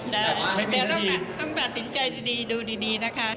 ได้ไม่ต้องแบบต้องแบบสินใจดีดูดีนะคะ